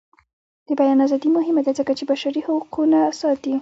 د بیان ازادي مهمه ده ځکه چې بشري حقونه ساتي.